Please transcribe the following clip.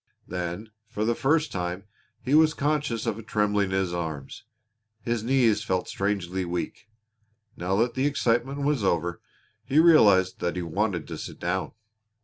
Then, for the first time, he was conscious of a trembling in his arms. His knees felt strangely weak. Now that the excitement was over he realized that he wanted to sit down.